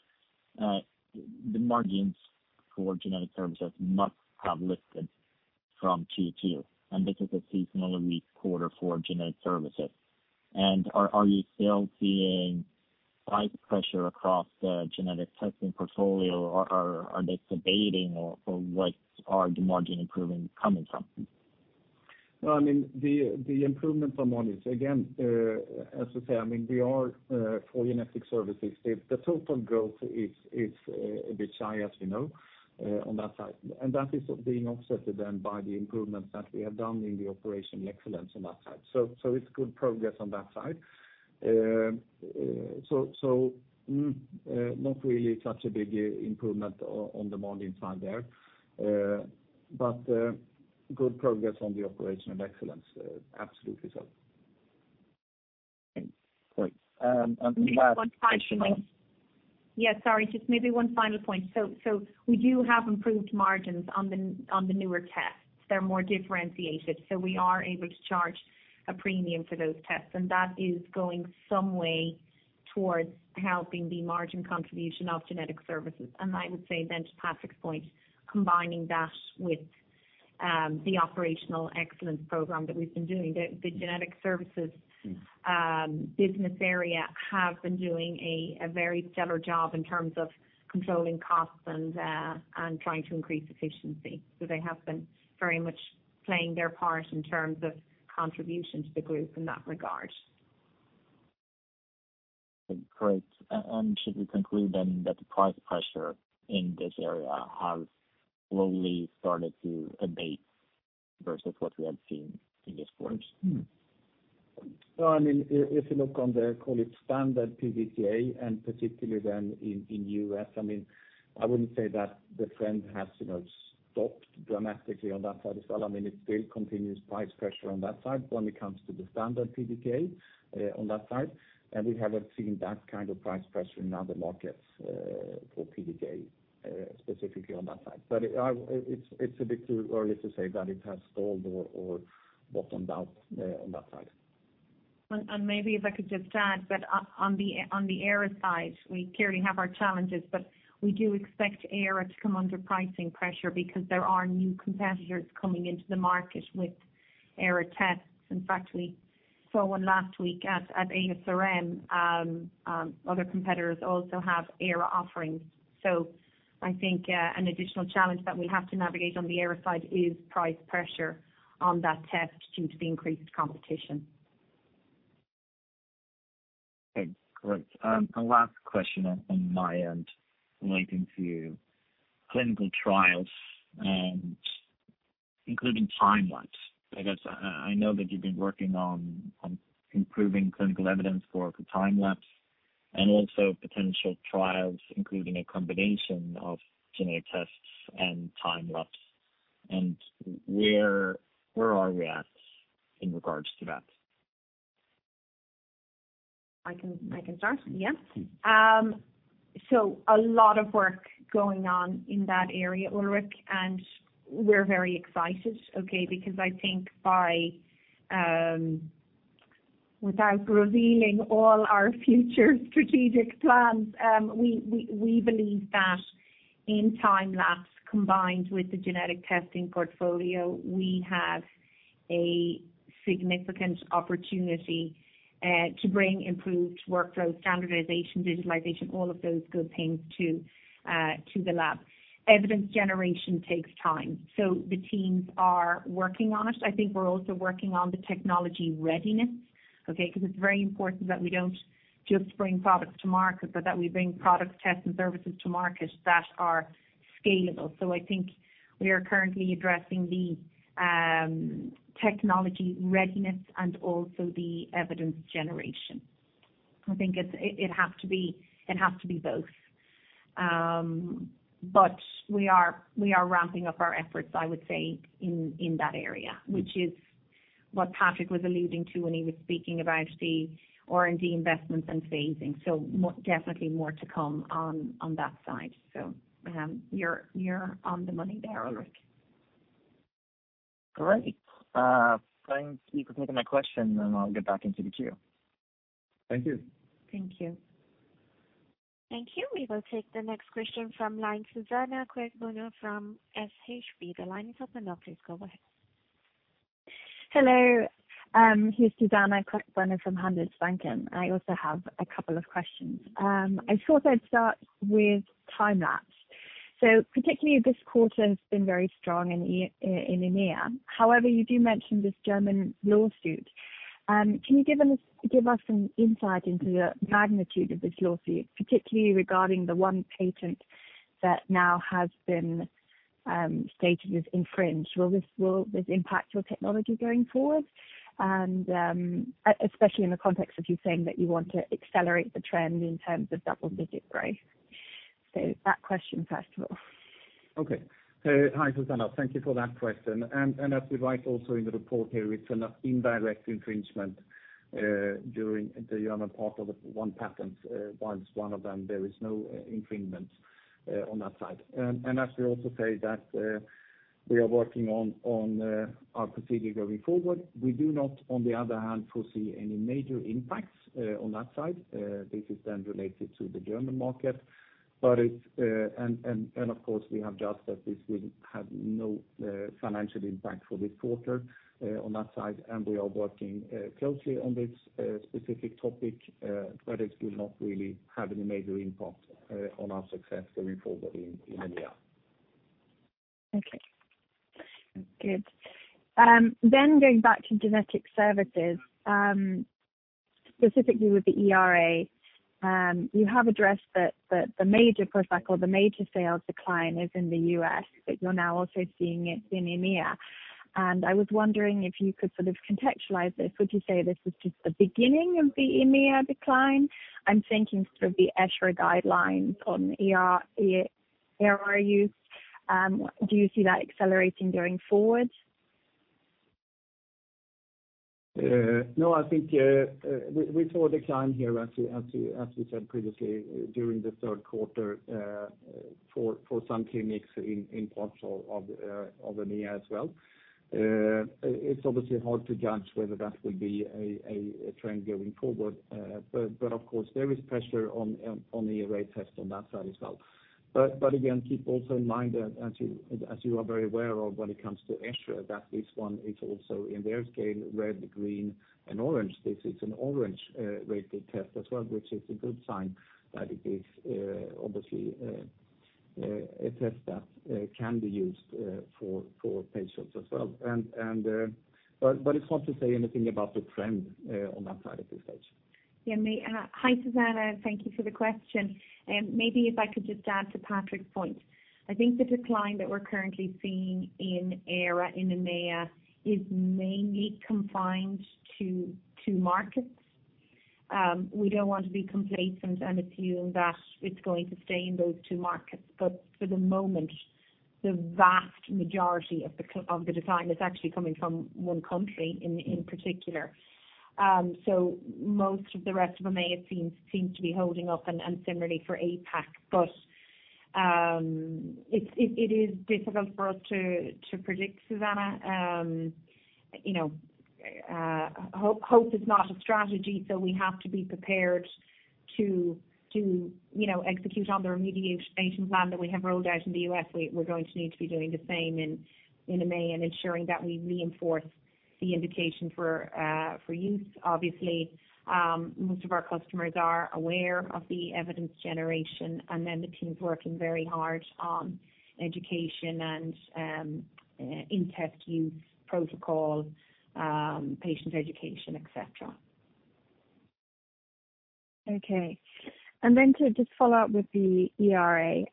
The margins for genetic services must have lifted from Q2, and this is a seasonally weak quarter for genetic services. Are you still seeing price pressure across the genetic testing portfolio, or are they abating, or what are the margin improvement coming from? Well, I mean, the improvement from one is, again, as I say, I mean, we are for genetic services, the total growth is a bit high, as you know, on that side. And that is being offset then by the improvements that we have done in the operational excellence on that side. So, it's good progress on that side. So, not really such a big improvement on the margin side there. But, good progress on the operational excellence. Absolutely so. Great. And last. One final point. Yes, sorry, just maybe one final point. So, so we do have improved margins on the, on the newer tests. They're more differentiated, so we are able to charge a premium for those tests, and that is going some way towards helping the margin contribution of genetic services. And I would say then, to Patrik's point, combining that with, the operational excellence program that we've been doing, the, the genetic services business area have been doing a very stellar job in terms of controlling costs and trying to increase efficiency. So they have been very much playing their part in terms of contribution to the group in that regard. Great. And should we conclude then that the price pressure in this area has slowly started to abate versus what we have seen in this quarter? Well, I mean, if you look on the, call it, standard PGT-A, and particularly then in US, I mean, I wouldn't say that the trend has, you know, stopped dramatically on that side as well. I mean, it still continues price pressure on that side when it comes to the standard PGT-A, on that side, and we haven't seen that kind of price pressure in other markets, for PGT-A, specifically on that side. But, it's a bit too early to say that it has stalled or bottomed out, on that side. Maybe if I could just add, but on the ERA side, we clearly have our challenges, but we do expect ERA to come under pricing pressure because there are new competitors coming into the market with ERA tests. In fact, we saw one last week at ASRM. Other competitors also have ERA offerings. So I think an additional challenge that we have to navigate on the ERA side is price pressure on that test due to the increased competition. Okay, great. The last question on my end relating to clinical trials and including time-lapse. I guess, I know that you've been working on improving clinical evidence for the time-lapse and also potential trials, including a combination of genetic tests and time-lapse, and where are we at in regards to that? I can, I can start. Yeah. So a lot of work going on in that area, Ulrik, and we're very excited, okay? Because I think by, without revealing all our future strategic plans, we believe that in time-lapse, combined with the genetic testing portfolio, we have a significant opportunity to bring improved workflow, standardization, digitalization, all of those good things to the lab. Evidence generation takes time, so the teams are working on it. I think we're also working on the technology readiness, okay? Because it's very important that we don't just bring products to market, but that we bring products, tests, and services to market that are scalable. So I think we are currently addressing the technology readiness and also the evidence generation. I think it has to be both. But we are ramping up our efforts, I would say, in that area, which is what Patrik was alluding to when he was speaking about the R&D investments and phasing. So definitely more to come on that side. So, you're on the money there, Ulrik. Great. Thank you for taking my question, and I'll get back into the queue. Thank you. Thank you. Thank you. We will take the next question from line, Susanna Queckbörner from SHB. The line is open now, please go ahead. Hello, here's Susanna Queckbörner from Handelsbanken. I also have a couple of questions. I thought I'd start with time-lapse. So particularly this quarter has been very strong in EMEA. However, you do mention this German lawsuit. Can you give us some insight into the magnitude of this lawsuit, particularly regarding the one patent that now has been stated as infringed? Will this impact your technology going forward? And especially in the context of you saying that you want to accelerate the trend in terms of double-digit growth. So that question first of all. Okay. So hi, Susanna, thank you for that question. And as we write also in the report here, it's an indirect infringement during the German part of the one patent, while as one of them, there is no infringement on that side. And as we also say that, we are working on our procedure going forward. We do not, on the other hand, foresee any major impacts on that side. This is then related to the German market. But it's, and of course, we have judged that this will have no financial impact for this quarter on that side. And we are working closely on this specific topic, but it will not really have any major impact on our success going forward in EMEA. Okay. Good. Then going back to genetic services, specifically with the ERA, you have addressed that the major per cycle, the major sales decline is in the US, but you're now also seeing it in EMEA. I was wondering if you could sort of contextualize this. Would you say this is just the beginning of the EMEA decline? I'm thinking sort of the extra guidelines on ER, ERA use. Do you see that accelerating going forward? No, I think we saw a decline here as we said previously, during the Q3, for some clinics in parts of EMEA as well. It's obviously hard to judge whether that will be a trend going forward. But of course, there is pressure on the ERA test on that side as well. But again, keep also in mind, as you are very aware of when it comes to ERA, that this one is also in their scale, red, green, and orange. This is an orange rated test as well, which is a good sign that it is obviously a test that can be used for patients as well. It's hard to say anything about the trend on that side at this stage. Yeah, hi, Susanna, thank you for the question. Maybe if I could just add to Patrik's point. I think the decline that we're currently seeing in ERA in EMEA is mainly confined to two markets. We don't want to be complacent and assume that it's going to stay in those two markets, but for the moment, the vast majority of the decline is actually coming from one country in particular. So most of the rest of EMEA seems to be holding up and similarly for APAC. But it is difficult for us to predict, Susanna. You know, hope is not a strategy, so we have to be prepared to execute on the remediation plan that we have rolled out in the US. We're going to need to be doing the same in EMEA and ensuring that we reinforce the indication for use. Obviously, most of our customers are aware of the evidence generation, and then the team's working very hard on education and in test use protocol, patient education, et cetera. Okay. And then to just follow up with the ERA.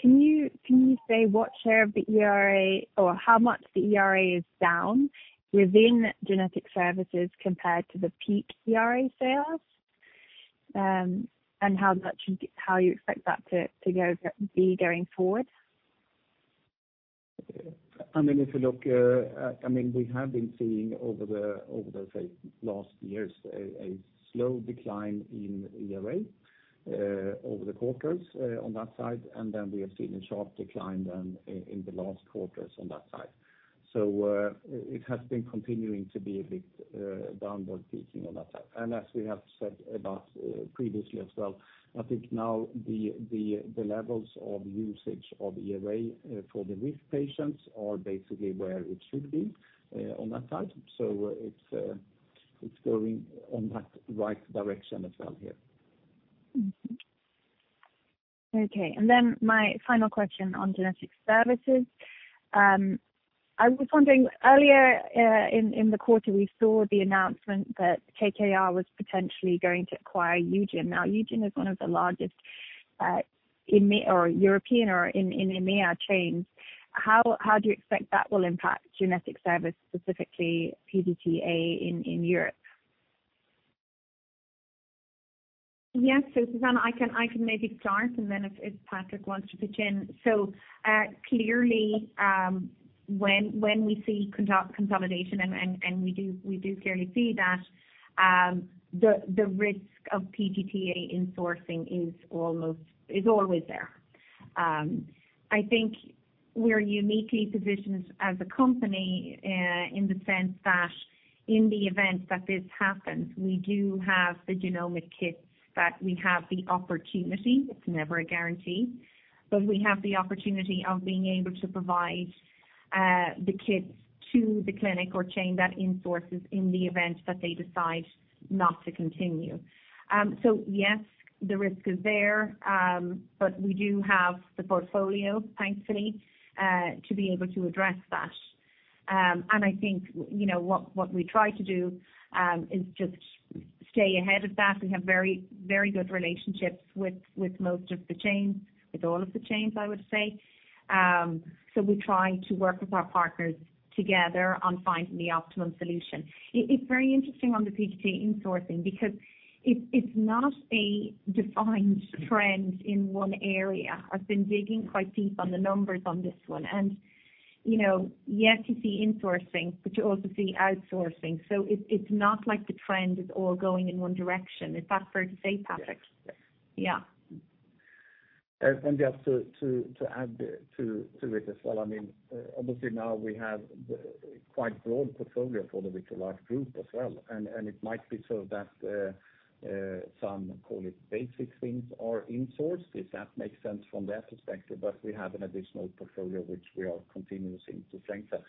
Can you, can you say what share of the ERA or how much the ERA is down within genetic services compared to the peak ERA sales? And how much, how you expect that to, to go, be going forward? I mean, if you look, I mean, we have been seeing over the, say, last years, a slow decline in ERA, over the quarters, on that side. And then we have seen a sharp decline then in the last quarters on that side. So, it has been continuing to be a bit, downward peaking on that side. And as we have said about, previously as well, I think now the levels of usage of ERA, for the risk patients are basically where it should be, on that side. So it's, it's going on that right direction as well here. Mm-hmm. Okay, and then my final question on genetic services. I was wondering earlier, in the quarter, we saw the announcement that KKR was potentially going to acquire Eugin. Now, Eugin is one of the largest in Europe or in EMEA chains. How do you expect that will impact genetic service, specifically PGT-A in Europe? Yes. So Susanna, I can maybe start and then if Patrik wants to pitch in. So, clearly, when we see consolidation and we clearly see that, the risk of PGT-A insourcing is always there. I think we're uniquely positioned as a company, in the sense that in the event that this happens, we do have the genomic kits, that we have the opportunity, it's never a guarantee. But we have the opportunity of being able to provide the kits to the clinic or chain that insources in the event that they decide not to continue. So yes, the risk is there, but we do have the portfolio, thankfully, to be able to address that. And I think, you know, what we try to do is just stay ahead of that. We have very, very good relationships with most of the chains, with all of the chains, I would say. So we try to work with our partners together on finding the optimum solution. It's very interesting on the PGT insourcing, because it's not a defined trend in one area. I've been digging quite deep on the numbers on this one, and, you know, yes, you see insourcing, but you also see outsourcing. So it's not like the trend is all going in one direction. Is that fair to say, Patrik? Yeah. And just to add to it as well, I mean, obviously now we have the quite broad portfolio for the Vitrolife Group as well, and it might be so that some call it basic things are insourced, if that makes sense from their perspective. But we have an additional portfolio which we are continuing to strengthen.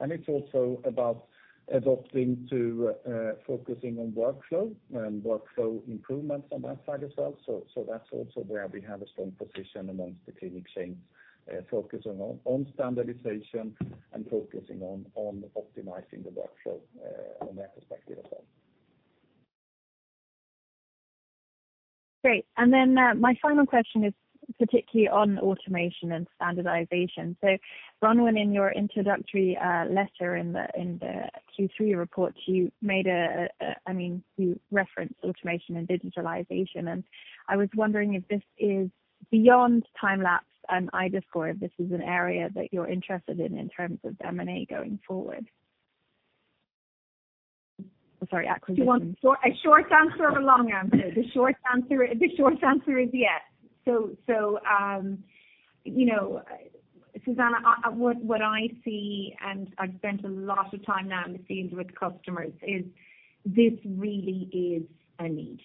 And it's also about adapting to focusing on workflow and workflow improvements on that side as well. So that's also where we have a strong position among the clinic chains, focusing on standardization and focusing on optimizing the workflow from their perspective as well. Great. And then, my final question is particularly on automation and standardization. So Bronwyn, in your introductory letter in the Q3 report, you made a, I mean, you referenced automation and digitalization, and I was wondering if this is beyond time-lapse and iDAScore, if this is an area that you're interested in, in terms of M&A going forward? I'm sorry, acquisition. Do you want a short answer or a long answer? The short answer, the short answer is yes. So, you know, Susanna, I, what I see, and I've spent a lot of time now in the clinics with customers, is this really a need.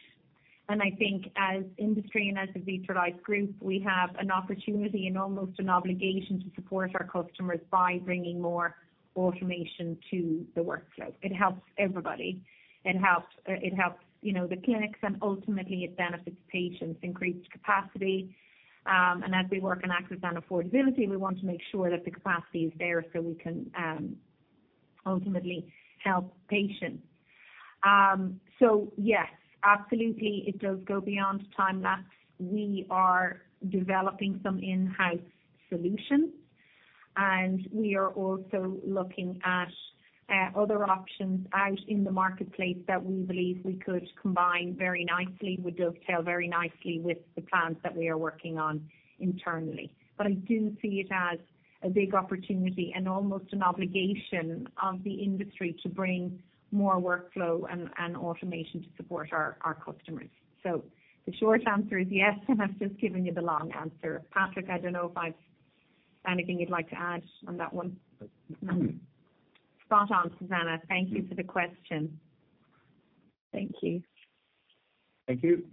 And I think as industry and as the Vitrolife Group, we have an opportunity and almost an obligation to support our customers by bringing more automation to the workflow. It helps everybody. It helps, it helps, you know, the clinics, and ultimately it benefits patients, increased capacity. And as we work on access and affordability, we want to make sure that the capacity is there, so we can, ultimately help patients. So yes, absolutely, it does go beyond time-lapse. We are developing some in-house solutions, and we are also looking at other options out in the marketplace that we believe we could combine very nicely, would dovetail very nicely with the plans that we are working on internally. But I do see it as a big opportunity and almost an obligation of the industry to bring more workflow and automation to support our customers. So the short answer is yes, and I've just given you the long answer. Patrik, I don't know if I've, anything you'd like to add on that one? No. Spot on, Susanna. Thank you for the question. Thank you. Thank you.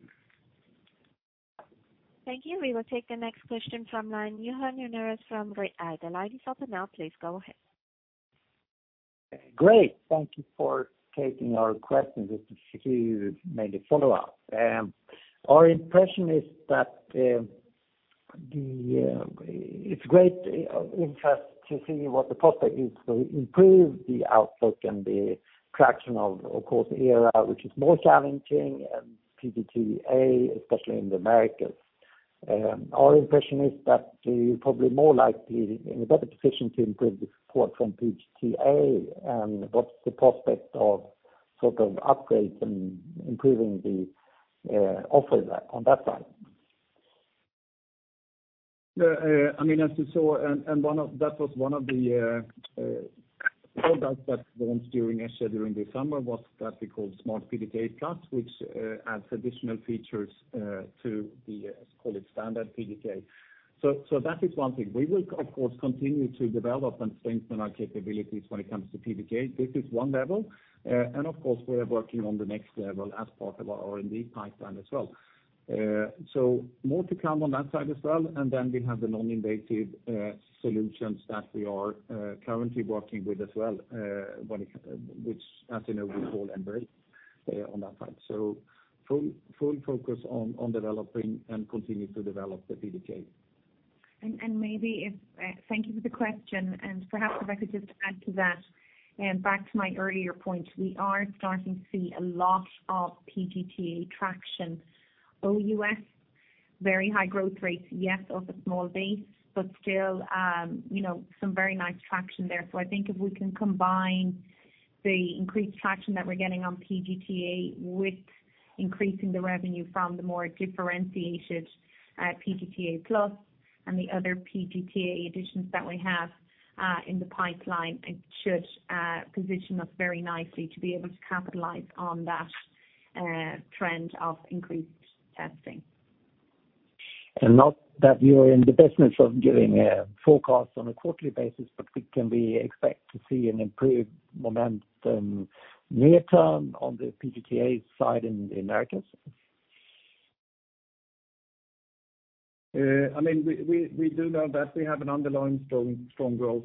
Thank you. We will take the next question from line. Johan Unnérus from Redeye. The line is open now, please go ahead. Great, thank you for taking our question. Just to see, make a follow-up. Our impression is that it's great interest to see what the prospect is to improve the outlook and the traction of, of course, ERA, which is more challenging, and PGT-A, especially in the Americas. Our impression is that you're probably more likely in a better position to improve the support from PGT-A. And what's the prospect of sort of upgrades and improving the offer that, on that side? I mean, as you saw, and that was one of the products that launched during, actually during the summer, was that we called PGT-A Plus, which adds additional features to the, let's call it standard PGT-A. So that is one thing. We will, of course, continue to develop and strengthen our capabilities when it comes to PGT-A. This is one level. And of course, we are working on the next level as part of our R&D pipeline as well. So more to come on that side as well. And then we have the non-invasive solutions that we are currently working with as well, which, as you know, we call Embrace on that side. So full focus on developing and continue to develop the PGT-A. Thank you for the question, and perhaps if I could just add to that, back to my earlier point, we are starting to see a lot of PGT-A traction. OUS, very high growth rates, yes, off a small base, but still, you know, some very nice traction there. So I think if we can combine the increased traction that we're getting on PGT-A, with increasing the revenue from the more differentiated, PGT-A Plus and the other PGT-A additions that we have, in the pipeline, it should position us very nicely to be able to capitalize on that, trend of increased testing. Not that you're in the business of giving forecasts on a quarterly basis, but can we expect to see an improved momentum near term on the PGT-A side in the Americas? I mean, we do know that we have an underlying strong, strong growth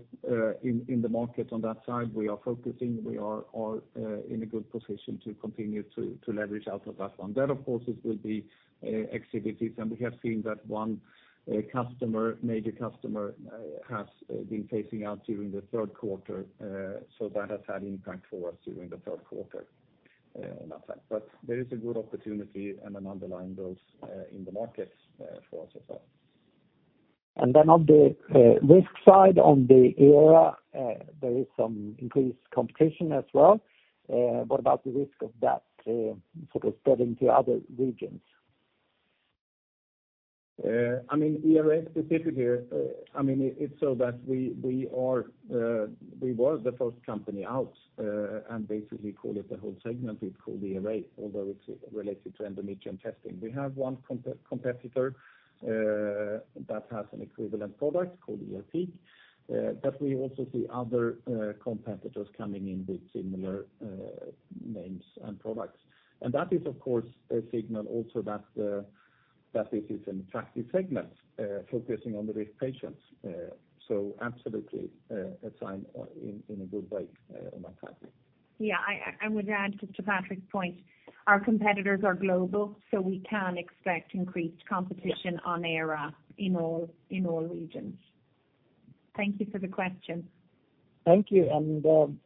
in the market on that side. We are focusing, we are all in a good position to continue to leverage out of that one. That, of course, is with the activities, and we have seen that one customer, major customer, has been phasing out during the Q3. So that has had impact for us during the Q3, but there is a good opportunity and an underlying growth in the markets for us as well. And then on the risk side, on the ERA, there is some increased competition as well. What about the risk of that sort of spreading to other regions? I mean, ERA specific here, I mean, it's so that we were the first company out, and basically call it the whole segment. We call the ERA, although it's related to endometrium testing. We have one competitor that has an equivalent product called ERP. But we also see other competitors coming in with similar names and products. And that is, of course, a signal also that this is an attractive segment, focusing on the risk patients. So absolutely, a sign in a good way on that fact. Yeah, I would add just to Patrik's point, our competitors are global, so we can expect increased competition on ERA in all, in all regions. Thank you for the question. Thank you. And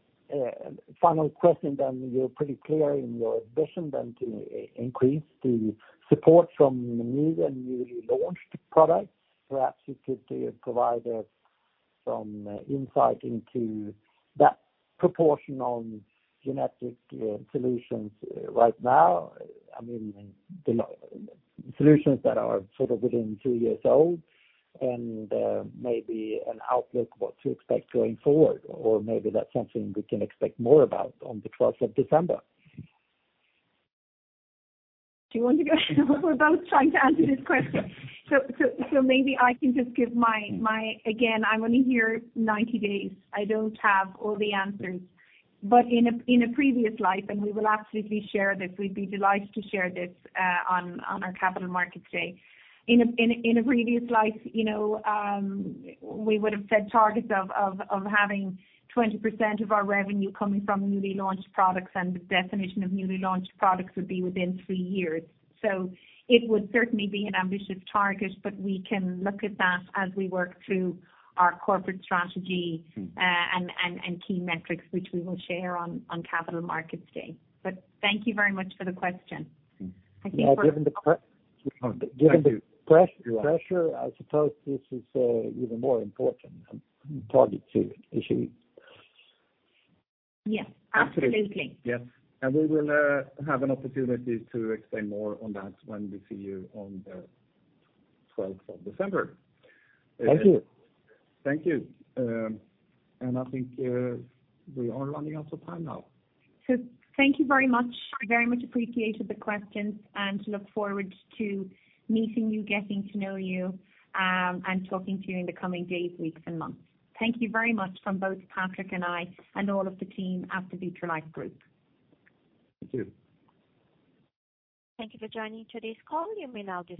final question then. You're pretty clear in your vision then to increase the support from the new and newly launched products. Perhaps you could provide some insight into that proportion on genetic solutions right now. I mean, the solutions that are sort of within two years old and maybe an outlook, what to expect going forward, or maybe that's something we can expect more about on the 12th of December. Do you want to go? We're both trying to answer this question. So maybe I can just give my. Again, I'm only here 90 days. I don't have all the answers. But in a previous life, and we will absolutely share this, we'd be delighted to share this on our Capital Markets Day. In a previous life, you know, we would have set targets of having 20% of our revenue coming from newly launched products, and the definition of newly launched products would be within three years. So it would certainly be an ambitious target, but we can look at that as we work through our corporate strategy and key metrics, which we will share on Capital Markets Day. But thank you very much for the question. I think we're. Given the pre. Thank you. Given the pressure, I suppose this is even more important target to achieve. Yes, absolutely. Yes. We will have an opportunity to explain more on that when we see you on the 12th of December. Thank you. Thank you. I think we are running out of time now. Thank you very much. I very much appreciated the questions and look forward to meeting you, getting to know you, and talking to you in the coming days, weeks, and months. Thank you very much from both Patrik and I, and all of the team at the Vitrolife Group. Thank you. Thank you for joining today's call. You may now disconnect.